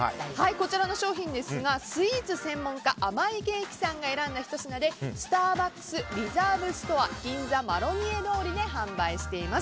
こちらの商品スイーツ専門家のあまいけいきさんが選んだひと品でスターバックスリザーブストア銀座マロニエ通りで販売しています。